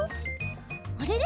あれれ？